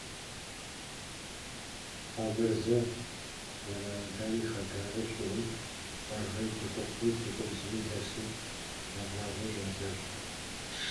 Хьэмырзэ зэраукӀам и хъыбарыр щыӀум, къуажэм цӀыхухъууи цӀыхубзуи дэсым зэщӀэгъуагэу щӀадзащ.